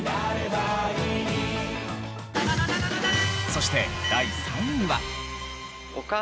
そして第３位は。